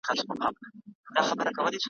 هغه پوهېده